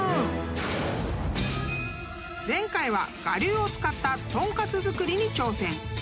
［前回は我流を使った豚カツ作りに挑戦］